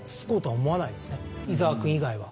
伊沢君以外は。